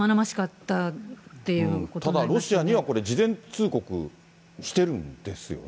ただロシアには事前通告してるんですよね。